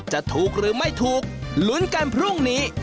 จะถูกหรือไม่ถูกลุ้นกันพรุ่งนี้